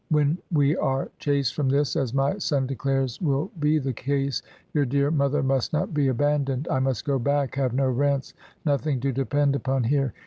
When we are chased from this, as my son declares will be the case, your dear mother must not be abandoned. I must go back; have no rents, nothing to depend upon here.